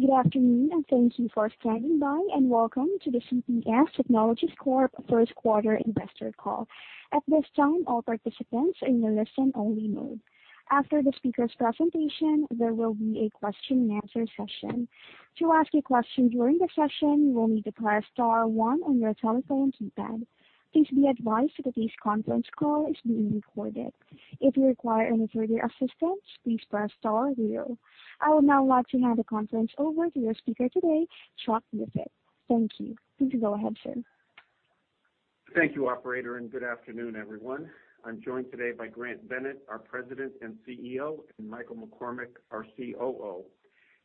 Good afternoon, thank you for standing by, and welcome to the CPS Technologies Corp. first quarter investor call. At this time, all participants are in a listen-only mode. After the speaker's presentation, there will be a question-and-answer session. To ask a question during the session, you will need to press star star on your telephone keypad. Please be advised that this conference call is being recorded. If you require any further assistance, please press star zero. I would now like to hand the conference over to your speaker today, Chuck Griffith. Thank you. Please go ahead, sir. Thank you, operator. Good afternoon, everyone. I'm joined today by Grant Bennett, our President and CEO, and Michael McCormack, our COO.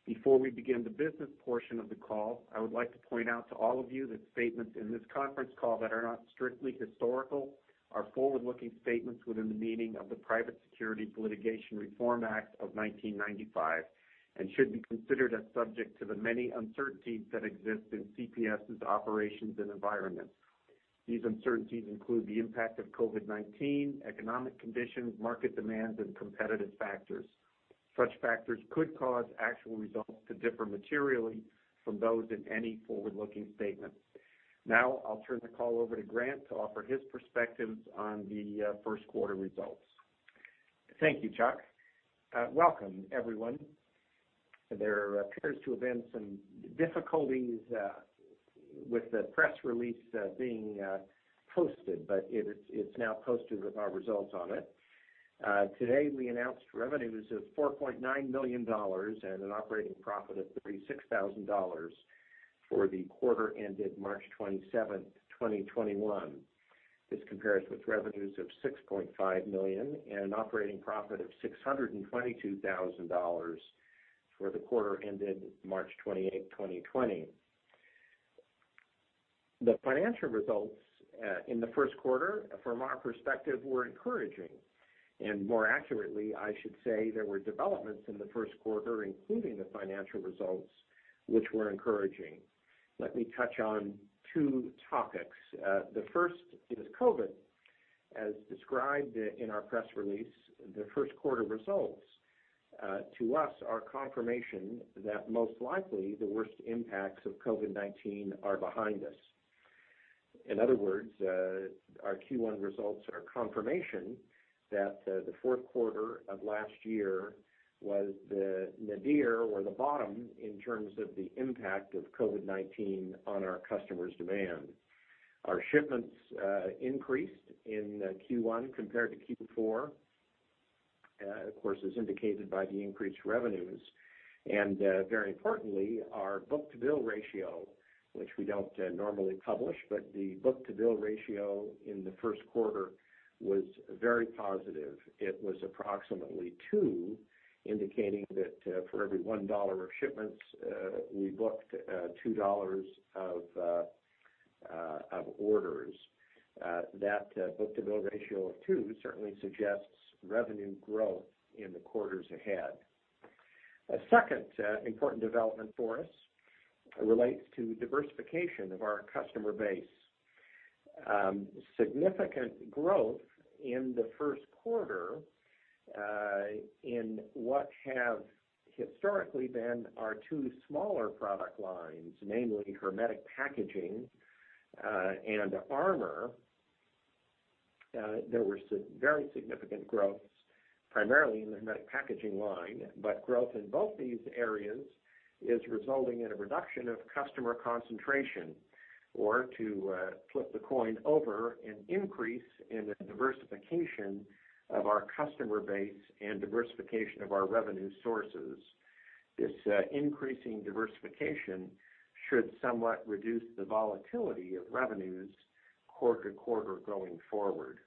Before we begin the business portion of the call, I would like to point out to all of you that statements in this conference call that are not strictly historical are forward-looking statements within the meaning of the Private Securities Litigation Reform Act of 1995 and should be considered as subject to the many uncertainties that exist in CPS's operations and environment. These uncertainties include the impact of COVID-19, economic conditions, market demands, and competitive factors. Such factors could cause actual results to differ materially from those in any forward-looking statement. I'll turn the call over to Grant to offer his perspectives on the first quarter results. Thank you, Chuck. Welcome, everyone. There appears to have been some difficulties with the press release being posted. It's now posted with our results on it. Today, we announced revenues of $4.9 million and an operating profit of $36,000 for the quarter ended March 27th, 2021. This compares with revenues of $6.5 million and an operating profit of $622,000 for the quarter ended March 28, 2020. The financial results in the first quarter, from our perspective, were encouraging. More accurately, I should say there were developments in the first quarter, including the financial results, which were encouraging. Let me touch on two topics. The first is COVID. As described in our press release, the first quarter results to us are confirmation that most likely the worst impacts of COVID-19 are behind us. In other words, our Q1 results are confirmation that the fourth quarter of last year was the nadir or the bottom in terms of the impact of COVID-19 on our customers' demand. Our shipments increased in Q1 compared to Q4, of course, as indicated by the increased revenues. Very importantly, our book-to-bill ratio, which we don't normally publish, but the book-to-bill ratio in the first quarter was very positive. It was approximately 2, indicating that for every $1 of shipments, we booked $2 of orders. That book-to-bill ratio of 2 certainly suggests revenue growth in the quarters ahead. A second important development for us relates to diversification of our customer base. Significant growth in the first quarter in what have historically been our two smaller product lines, namely hermetic packaging and armor. There was very significant growth, primarily in the hermetic packaging line, growth in both these areas is resulting in a reduction of customer concentration, or to flip the coin over, an increase in the diversification of our customer base and diversification of our revenue sources. This increasing diversification should somewhat reduce the volatility of revenues quarter to quarter going forward.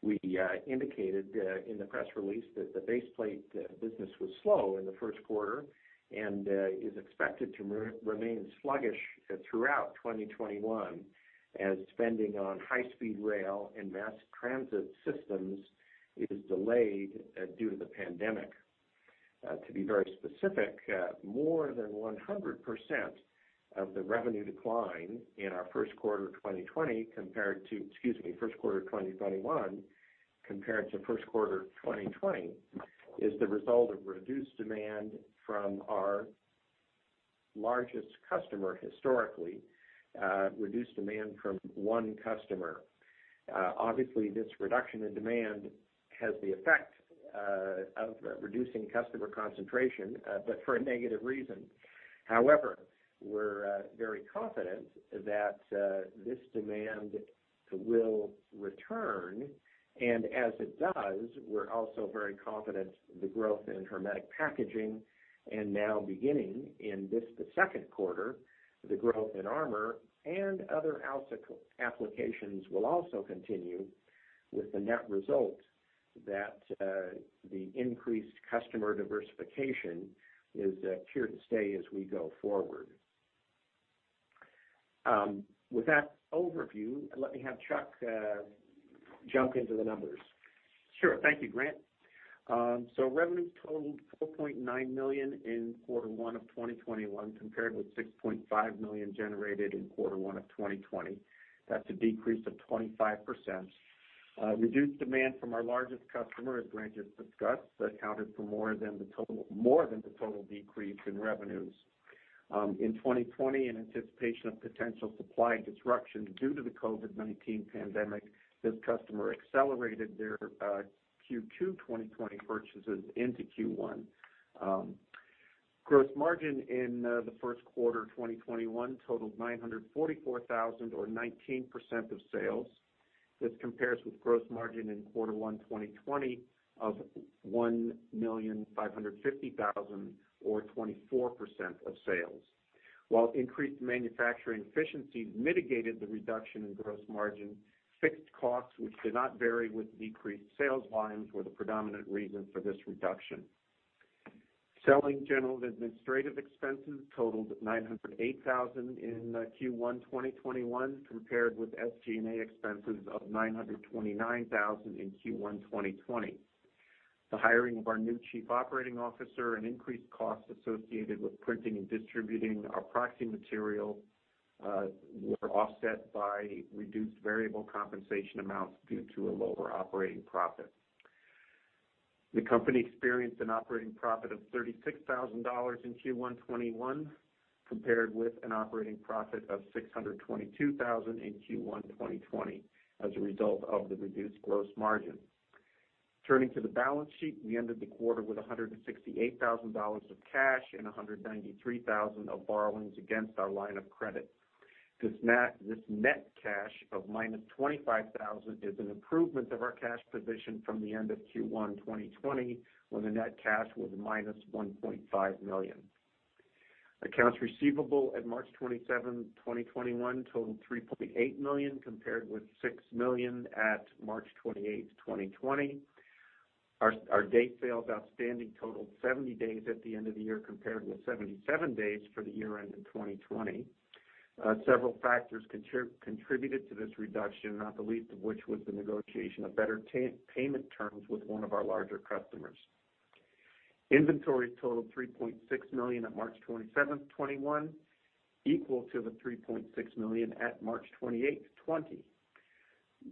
We indicated in the press release that the base plate business was slow in the first quarter and is expected to remain sluggish throughout 2021 as spending on high-speed rail and mass transit systems is delayed due to the pandemic. To be very specific, more than 100% of the revenue decline in our first quarter of 2021 compared to first quarter 2020 is the result of reduced demand from our largest customer historically, reduced demand from one customer. Obviously, this reduction in demand has the effect of reducing customer concentration, but for a negative reason. We're very confident that this demand will return, and as it does, we're also very confident the growth in hermetic packaging and now beginning in this, the second quarter, the growth in armor and other applications will also continue with the net result that the increased customer diversification is here to stay as we go forward. With that overview, let me have Chuck jump into the numbers. Sure. Thank you, Grant. Revenues totaled $4.9 million in quarter one of 2021 compared with $6.5 million generated in quarter one of 2020. That's a decrease of 25%. Reduced demand from our largest customer, as Grant just discussed, accounted for more than the total decrease in revenues. In 2020, in anticipation of potential supply disruptions due to the COVID-19 pandemic, this customer accelerated their Q2 2020 purchases into Q1. Gross margin in the first quarter 2021 totaled $944,000 or 19% of sales. This compares with gross margin in quarter one 2020 of $1,550,000 or 24% of sales. While increased manufacturing efficiencies mitigated the reduction in gross margin, fixed costs, which did not vary with decreased sales volumes, were the predominant reason for this reduction. Selling, general, and administrative expenses totaled $908,000 in Q1 2021, compared with SG&A expenses of $929,000 in Q1 2020. The hiring of our new Chief Operating Officer and increased costs associated with printing and distributing our proxy material were offset by reduced variable compensation amounts due to a lower operating profit. The company experienced an operating profit of $36,000 in Q1 2021, compared with an operating profit of $622,000 in Q1 2020 as a result of the reduced gross margin. Turning to the balance sheet, we ended the quarter with $168,000 of cash and $193,000 of borrowings against our line of credit. This net cash of minus $25,000 is an improvement of our cash position from the end of Q1 2020, when the net cash was -$1.5 million. Accounts receivable at March 27, 2021, totaled $3.8 million compared with $6 million at March 28, 2020. Our day sales outstanding totaled 70 days at the end of the year compared with 77 days for the year end in 2020. Several factors contributed to this reduction, not the least of which was the negotiation of better payment terms with one of our larger customers. Inventories totaled $3.6 million at March 27th, 2021, equal to the $3.6 million at March 28th, 2020.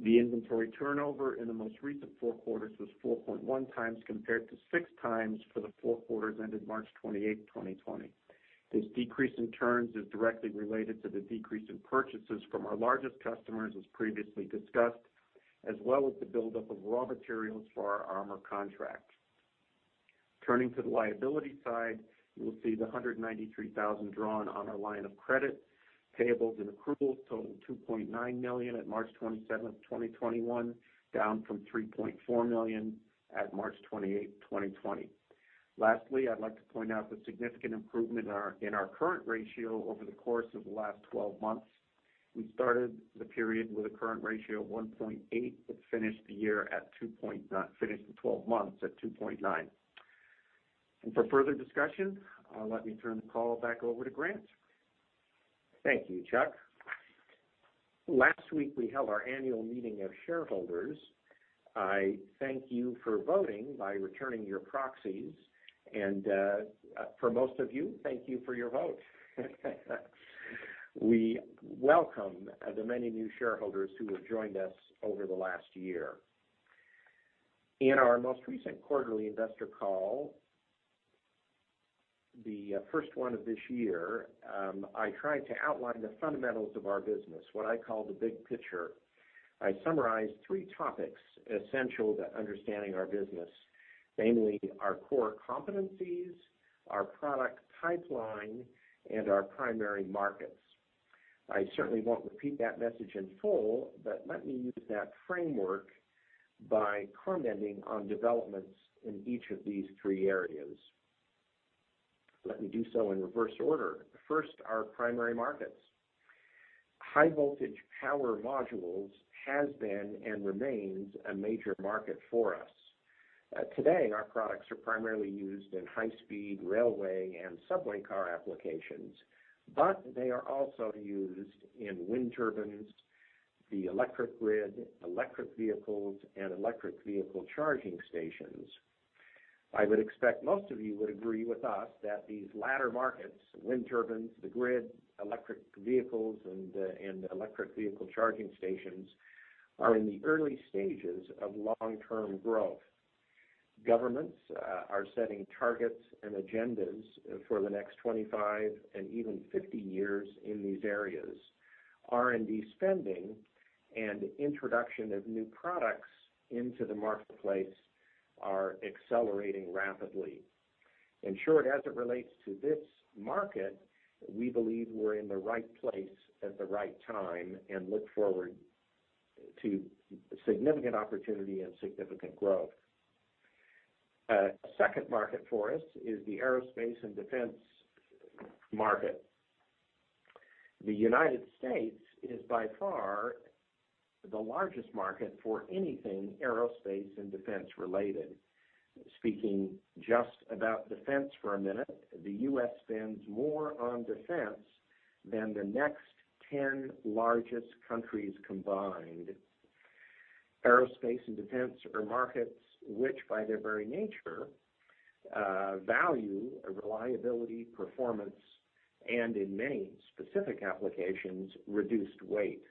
The inventory turnover in the most recent four quarters was 4.1 times compared to 6 times for the four quarters ended March 28th, 2020. This decrease in turns is directly related to the decrease in purchases from our largest customers as previously discussed, as well as the buildup of raw materials for our armor contract. Turning to the liability side, you will see the $193,000 drawn on our line of credit. Payables and accruals totaled $2.9 million at March 27th, 2021, down from $3.4 million at March 28th, 2020. Lastly, I'd like to point out the significant improvement in our current ratio over the course of the last 12 months. We started the period with a current ratio of 1.8 but finished the 12 months at 2.9. For further discussion, let me turn the call back over to Grant. Thank you, Chuck. Last week, we held our annual meeting of shareholders. I thank you for voting by returning your proxies, and for most of you, thank you for your vote. We welcome the many new shareholders who have joined us over the last year. In our most recent quarterly investor call, the first one of this year, I tried to outline the fundamentals of our business, what I call the big picture. I summarized three topics essential to understanding our business, namely our core competencies, our product pipeline, and our primary markets. I certainly won't repeat that message in full, but let me use that framework by commenting on developments in each of these three areas. Let me do so in reverse order. First, our primary markets. High voltage power modules has been and remains a major market for us. Today, our products are primarily used in high-speed railway and subway car applications, but they are also used in wind turbines, the electric grid, electric vehicles, and electric vehicle charging stations. I would expect most of you would agree with us that these latter markets, wind turbines, the grid, electric vehicles, and electric vehicle charging stations, are in the early stages of long-term growth. Governments are setting targets and agendas for the next 25 years and even 50 years in these areas. R&D spending and introduction of new products into the marketplace are accelerating rapidly. In short, as it relates to this market, we believe we're in the right place at the right time and look forward to significant opportunity and significant growth. A second market for us is the aerospace and defense market. The United States is by far the largest market for anything aerospace and defense related. Speaking just about defense for a minute, the U.S. spends more on defense than the next 10 largest countries combined. Aerospace and defense are markets which, by their very nature, value, reliability, performance, and in many specific applications, reduced weight.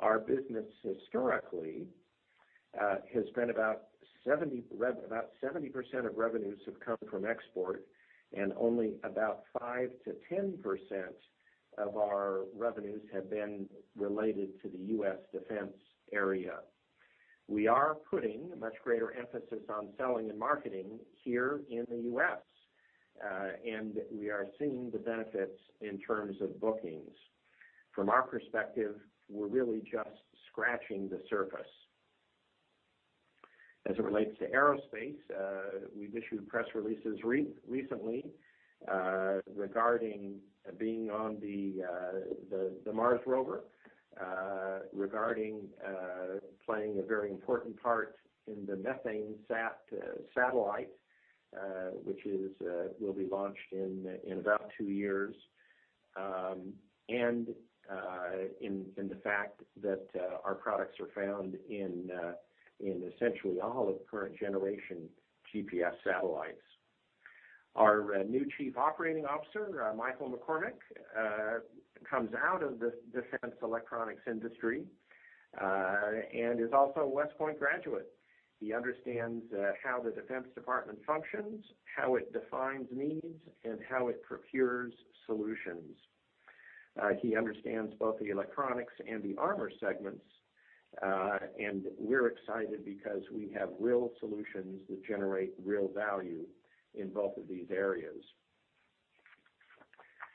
Our business historically has been about 70% of revenues have come from export, and only about 5%-10% of our revenues have been related to the US defense area. We are putting a much greater emphasis on selling and marketing here in the U.S., and we are seeing the benefits in terms of bookings. From our perspective, we're really just scratching the surface. As it relates to aerospace, we've issued press releases recently regarding being on the Mars rover, regarding playing a very important part in the methane satellite which will be launched in about two years, and in the fact that our products are found in essentially all of current generation GPS satellites. Our new Chief Operating Officer, Michael McCormack, comes out of the Defense electronics industry and is also a West Point graduate. He understands how the Defense Department functions, how it defines needs, and how it procures solutions. He understands both the electronics and the armor segments. We're excited because we have real solutions that generate real value in both of these areas.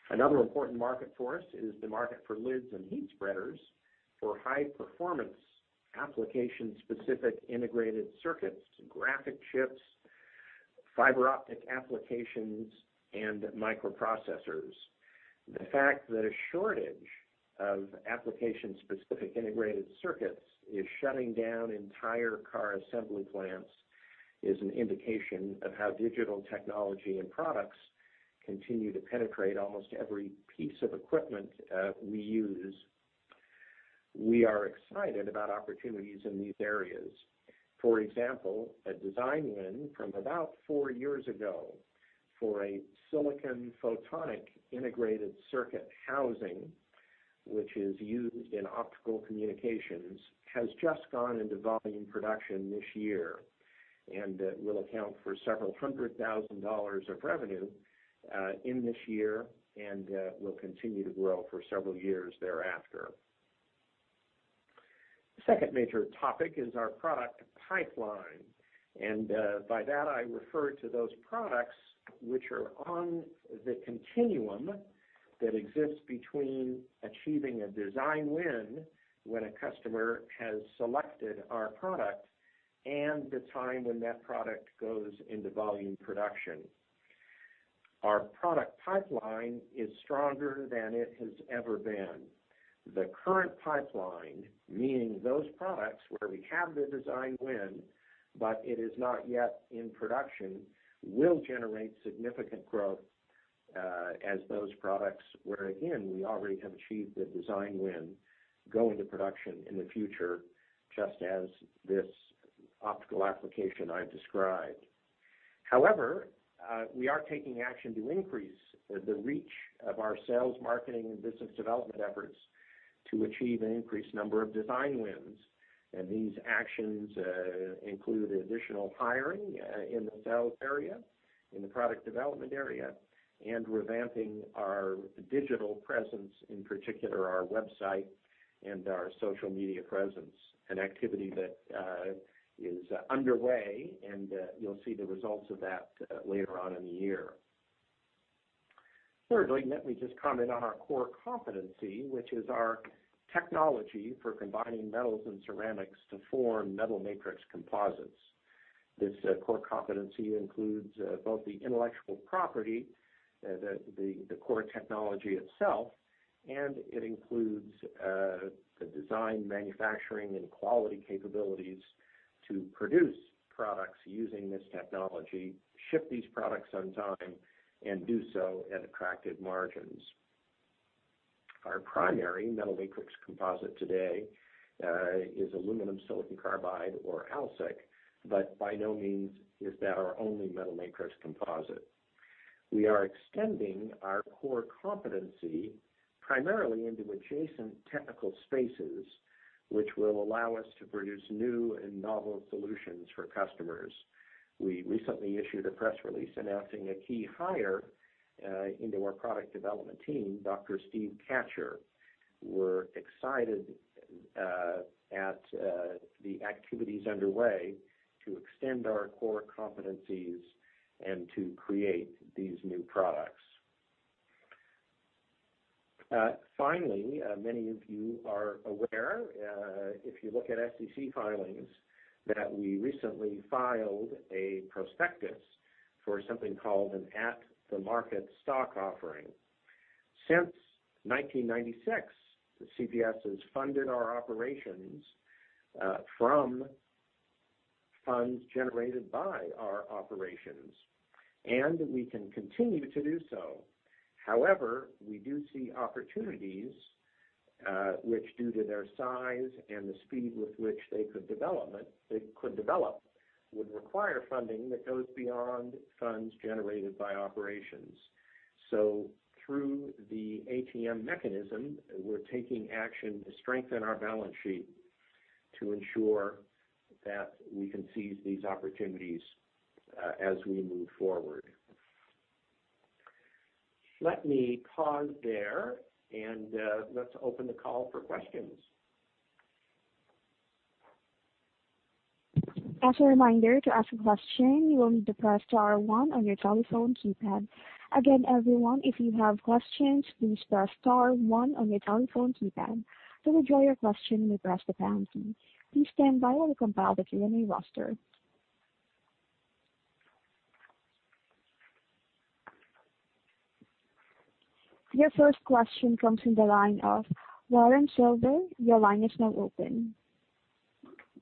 Another important market for us is the market for lids and heat spreaders for high-performance application-specific integrated circuits, graphic chips, fiber optic applications, and microprocessors. The fact that a shortage of application-specific integrated circuits is shutting down entire car assembly plants is an indication of how digital technology and products continue to penetrate almost every piece of equipment we use. We are excited about opportunities in these areas. For example, a design win from about four years ago for a silicon photonic integrated circuit housing, which is used in optical communications, has just gone into volume production this year and will account for several $100,000 of revenue in this year, and will continue to grow for several years thereafter. The second major topic is our product pipeline, and by that I refer to those products which are on the continuum that exists between achieving a design win when a customer has selected our product, and the time when that product goes into volume production. Our product pipeline is stronger than it has ever been. The current pipeline, meaning those products where we have the design win, but it is not yet in production, will generate significant growth as those products, where again, we already have achieved the design win, go into production in the future, just as this optical application I've described. We are taking action to increase the reach of our sales, marketing, and business development efforts to achieve an increased number of design wins. These actions include additional hiring in the sales area, in the product development area, and revamping our digital presence, in particular, our website and our social media presence, an activity that is underway, and you'll see the results of that later on in the year. Let me just comment on our core competency, which is our technology for combining metals and ceramics to form metal matrix composites. This core competency includes both the intellectual property, the core technology itself, and it includes the design, manufacturing, and quality capabilities to produce products using this technology, ship these products on time, and do so at attractive margins. Our primary metal matrix composite today is aluminum silicon carbide, or AlSiC, by no means is that our only metal matrix composite. We are extending our core competency primarily into adjacent technical spaces, which will allow us to produce new and novel solutions for customers. We recently issued a press release announcing a key hire into our Product Development Team, Dr. Steve Kachur. We're excited at the activities underway to extend our core competencies and to create these new products. Finally, many of you are aware, if you look at SEC filings, that we recently filed a prospectus for something called an at-the-market stock offering. Since 1996, CPS has funded our operations from funds generated by our operations, and we can continue to do so. However, we do see opportunities which due to their size and the speed with which they could develop would require funding that goes beyond funds generated by operations. Through the ATM mechanism, we're taking action to strengthen our balance sheet to ensure that we can seize these opportunities as we move forward. Let me pause there and let's open the call for questions. As a reminder, to ask a question, you will need to press star one on your telephone keypad. Again, everyone, if you have questions, please press star one on your telephone keypad. To withdraw your question, you may press the pound key. Please stand by while we compile the Q&A roster. Your first question comes from the line of Warren Silver. Your line is now open.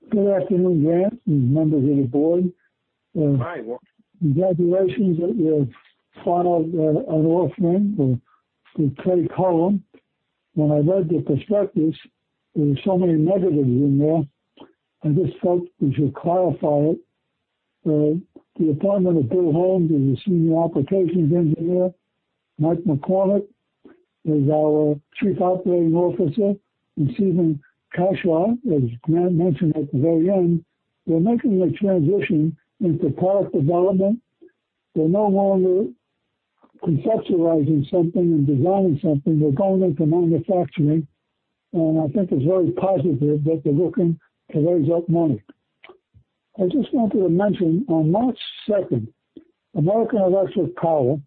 Good afternoon, Grant, and members of the board. Hi, Warren. Congratulations that you have followed an old friend, Clay Coleman. When I read the prospectus, there were so many negatives in there, I just felt we should clarify it. The appointment of Bill Holmes as the Senior Operations Engineer, Michael McCormack as our Chief Operating Officer, and Steve Kachur, as Grant mentioned at the very end. We're making a transition into product development. We're no longer conceptualizing something and designing something. We're going into manufacturing, and I think it's very positive that they're looking to raise up money. I just wanted to mention, on March 2nd, American Electric Power,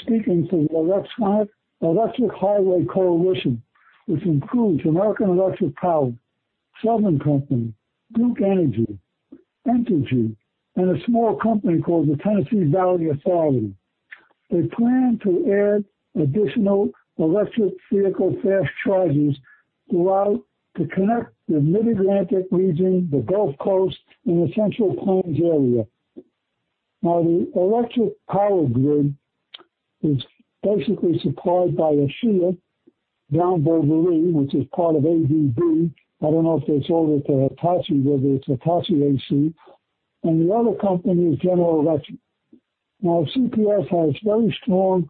speaking to the Electric Highway Coalition, which includes American Electric Power, Southern Company, Duke Energy, Entergy, and a small company called the Tennessee Valley Authority. They plan to add additional electric vehicle fast chargers throughout to connect the Mid-Atlantic region, the Gulf Coast, and the Central Plains area. The electric power grid is basically supplied by Asea Brown Boveri, which is part of ABB. I don't know if it's over to Hitachi, whether it's Hitachi ABB Power Grids. The other company is General Electric. CPS Technologies Corp has very strong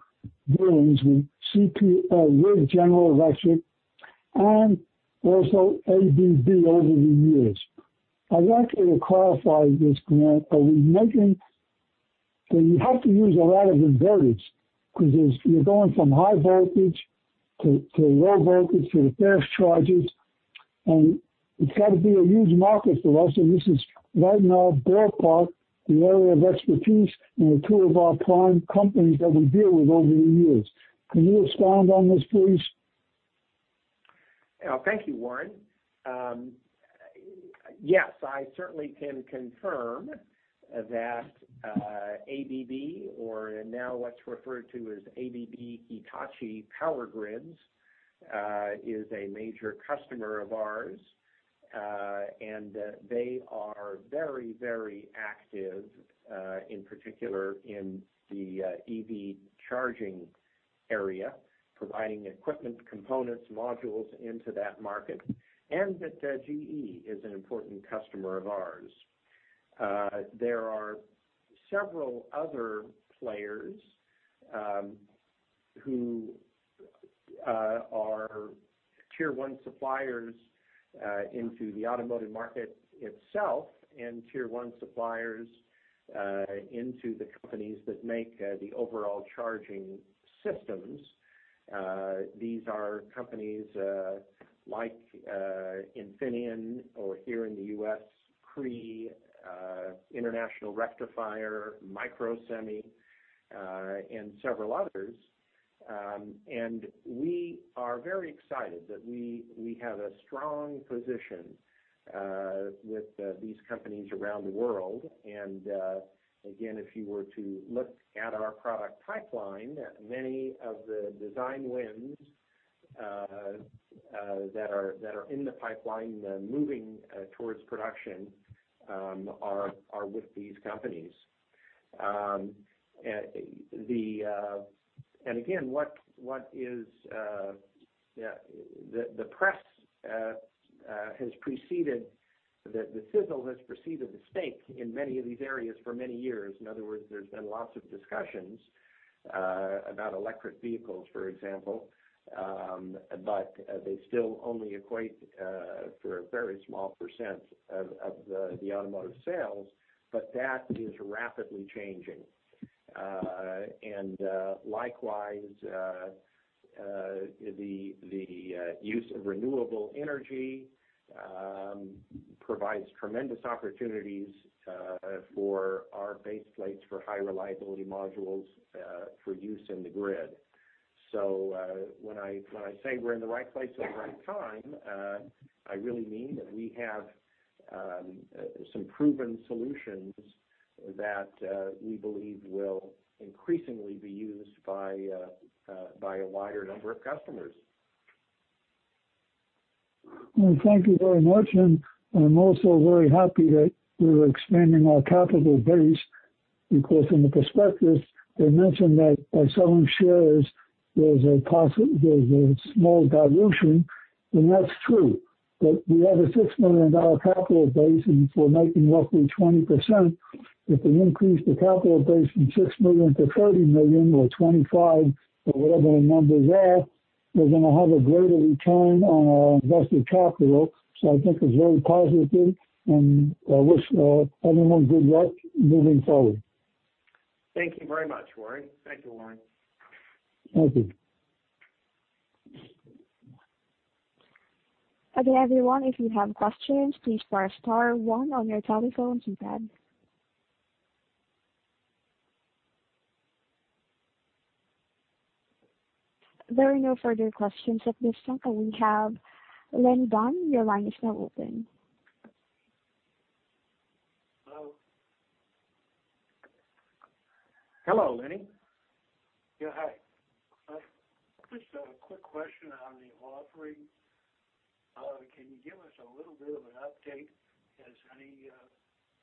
dealings with General Electric and also ABB over the years. I'd like you to clarify this, Grant. You have to use a lot of inverters because you're going from high voltage to low voltage for the fast chargers, and it's got to be a huge market for us, and this is right in our ballpark, the area of expertise, and two of our prime companies that we deal with over the years. Can you expand on this, please? Thank you, Warren. Yes, I certainly can confirm that ABB, or now what's referred to as Hitachi ABB Power Grids, is a major customer of ours. They are very active, in particular in the EV charging area, providing equipment, components, modules into that market. That GE is an important customer of ours. There are several other players who are Tier 1 suppliers into the automotive market itself and Tier 1 suppliers into the companies that make the overall charging systems. These are companies like Infineon or here in the U.S., Cree, International Rectifier, Microsemi, and several others. We are very excited that we have a strong position with these companies around the world. Again, if you were to look at our product pipeline, many of the design wins that are in the pipeline moving towards production are with these companies. Again, the sizzle has preceded the steak in many of these areas for many years. In other words, there's been lots of discussions about electric vehicles, for example, but they still only equate for a very small percent of the automotive sales, but that is rapidly changing. Likewise, the use of renewable energy provides tremendous opportunities for our base plates for high reliability modules for use in the grid. When I say we're in the right place at the right time, I really mean that we have some proven solutions that we believe will increasingly be used by a wider number of customers. Thank you very much, and I'm also very happy that we're expanding our capital base because in the prospectus they mentioned that by selling shares, there's a small dilution, and that's true. We have a $6 million capital base, and if we're making roughly 20%, if we increase the capital base from $6 million to $30 million or $25 million or whatever the numbers are, we're going to have a greater return on our invested capital. I think it's very positive, and I wish everyone good luck moving forward. Thank you very much, Warren. Thank you, Warren. Thank you. Again, everyone, if you have questions, please press star one on your telephone keypad. There are no further questions at this time. We have Lenny Dunn. Your line is now open. Hello. Hello, Lenny. Yeah. Hi. Just a quick question on the offering. Can you give us a little bit of an update? Has any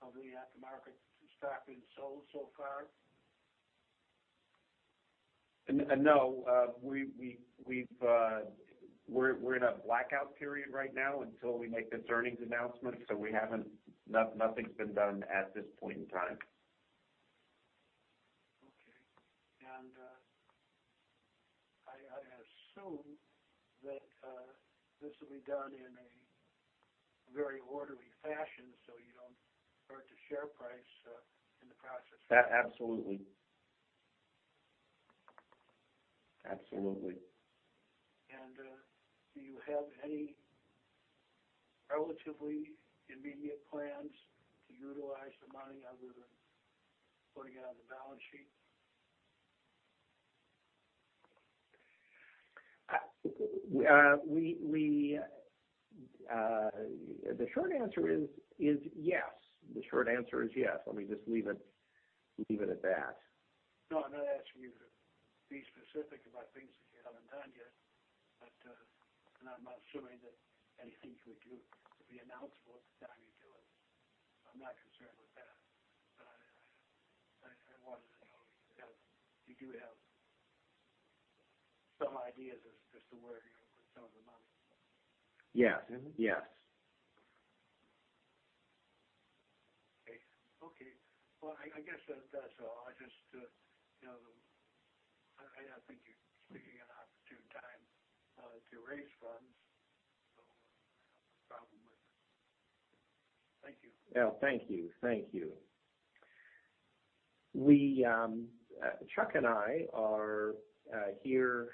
of the at-the-market stock been sold so far? No. We're in a blackout period right now until we make this earnings announcement. Nothing's been done at this point in time. Okay. I assume that this will be done in a very orderly fashion, so you don't hurt the share price in the process. Absolutely. Do you have any relatively immediate plans to utilize the money other than putting it on the balance sheet? The short answer is yes. Let me just leave it at that. No, I'm not asking you to be specific about things that you haven't done yet, and I'm not assuming that anything you would do would be announced before the time you do it. I'm not concerned with that. I wanted to know if you do have some ideas as to where you're going to put some of the money. Yes. Okay. Well, I guess that's all. I think you're speaking at an opportune time to raise funds, so I don't have a problem with it. Thank you. Thank you. Chuck and I are here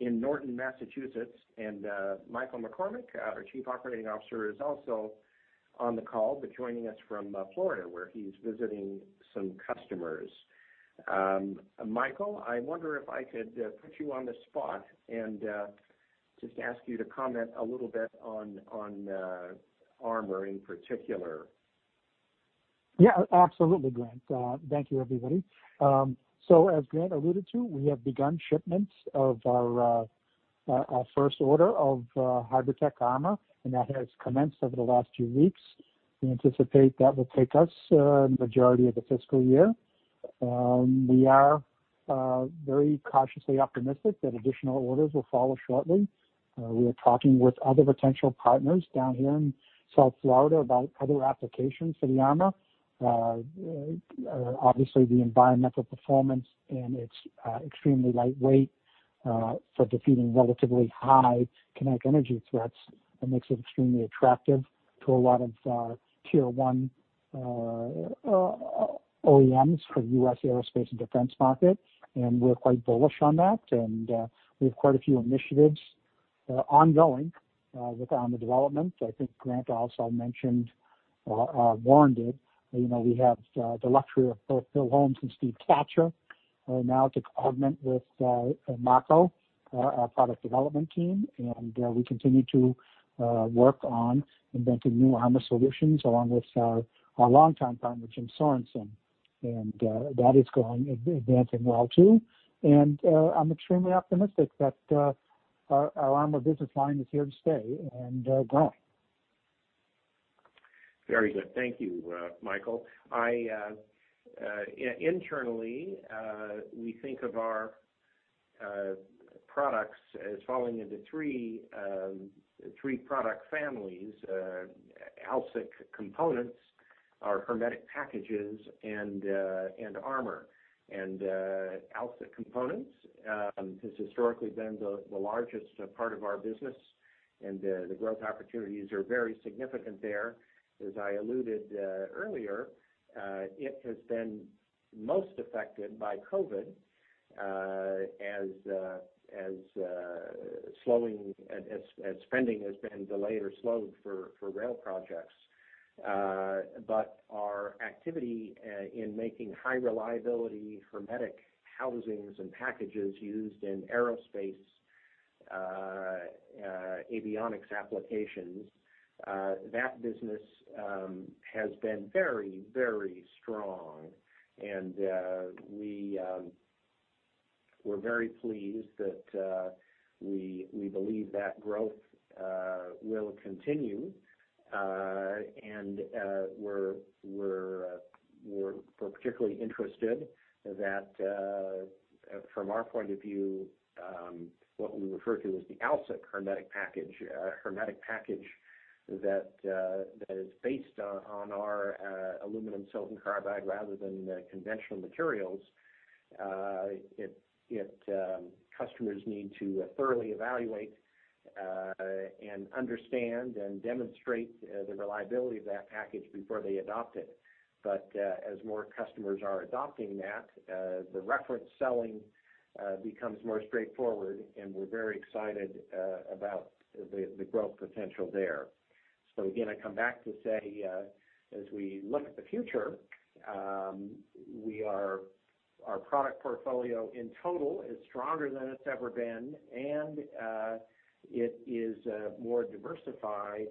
in Norton, Massachusetts, and Michael McCormack, our Chief Operating Officer, is also on the call, but joining us from Florida, where he's visiting some customers. Michael, I wonder if I could put you on the spot and just ask you to comment a little bit on armor in particular. Yeah, absolutely, Grant. Thank you, everybody. As Grant alluded to, we have begun shipments of our first order of HybridTech Armor, and that has commenced over the last few weeks. We anticipate that will take us the majority of the fiscal year. We are very cautiously optimistic that additional orders will follow shortly. We are talking with other potential partners down here in South Florida about other applications for the armor. Obviously, the environmental performance and its extremely lightweight for defeating relatively high kinetic energy threats makes it extremely attractive to a lot of Tier 1 OEMs for US aerospace and defense market. We're quite bullish on that, and we have quite a few initiatives ongoing with armor development. I think Grant also mentioned, Warren did, we have the luxury of both Bill Holmes and Steve Kachur now to augment with Mark O., our product development team. We continue to work on inventing new armor solutions, along with our longtime partner, Jim Sorenson. That is advancing well, too. I'm extremely optimistic that our armor business line is here to stay and growing. Very good. Thank you, Michael. Internally, we think of our products as falling into three product families, AlSiC components, our hermetic packages, and armor. AlSiC components has historically been the largest part of our business, and the growth opportunities are very significant there. As I alluded earlier, it has been most affected by COVID-19 as spending has been delayed or slowed for rail projects. Our activity in making high-reliability hermetic housings and packages used in aerospace avionics applications, that business has been very strong, and we're very pleased that we believe that growth will continue. We're particularly interested that, from our point of view, what we refer to as the AlSiC hermetic package, that is based on our aluminum silicon carbide rather than conventional materials. Customers need to thoroughly evaluate and understand and demonstrate the reliability of that package before they adopt it. As more customers are adopting that, the reference selling becomes more straightforward, and we're very excited about the growth potential there. Again, I come back to say, as we look at the future, our product portfolio in total is stronger than it's ever been, and it is more diversified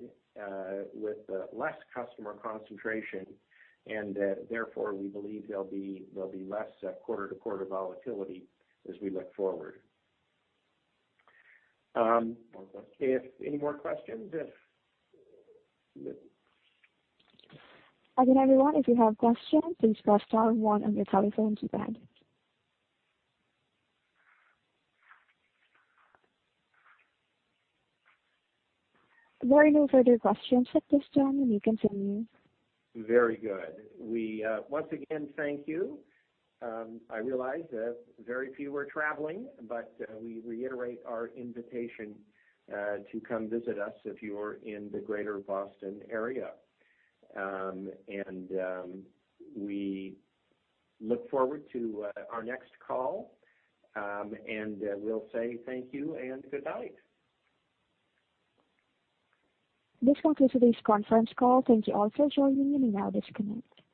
with less customer concentration, and therefore, we believe there'll be less quarter-to-quarter volatility as we look forward. Any more questions? Again, everyone, if you have questions, please press star one on your telephone to add it. There are no further questions at this time. You continue. Very good. We once again thank you. I realize that very few are traveling, but we reiterate our invitation to come visit us if you're in the Greater Boston area. We look forward to our next call, and we'll say thank you and good night. This concludes today's conference call. Thank you all for joining. You may now disconnect.